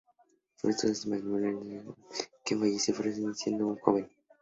Fruto de ese matrimonio nació Adrián Lobato, quien falleció sorpresivamente siendo aún muy joven.